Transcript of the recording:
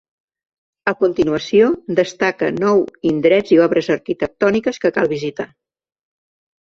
A continuació, destaca nou indrets i obres arquitectòniques que cal visitar.